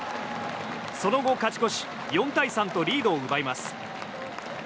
その後、勝ち越し４対３とリードを奪います。